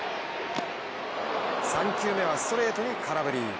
３球目はストレートに空振り。